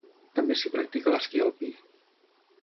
També s'hi practica l'esquí alpí.